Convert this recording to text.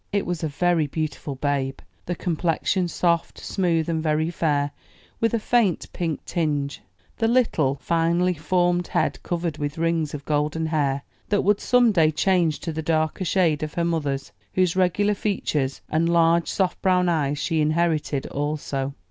It was a very beautiful babe; the complexion soft, smooth, and very fair, with a faint pink tinge; the little, finely formed head covered with rings of golden hair that would some day change to the darker shade of her mother's, whose regular features and large, soft brown eyes she inherited also.